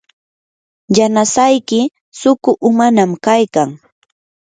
yanasayki suqu umanam kaykan.